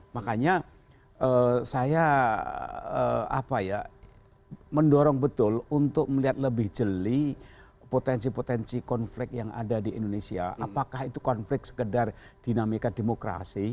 makanya saya mendorong betul untuk melihat lebih jeli potensi potensi konflik yang ada di indonesia apakah itu konflik sekedar dinamika demokrasi